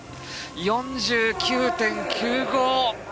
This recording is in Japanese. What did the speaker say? ４９．９５。